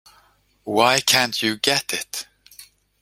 Why can't you get it?